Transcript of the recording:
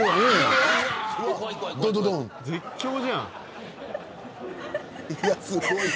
絶叫じゃん。